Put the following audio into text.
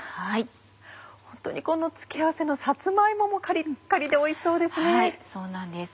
ホントにこの付け合わせのさつま芋もカリッカリでおいしそうですね。